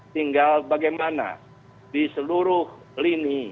tinggal bagaimana di seluruh lini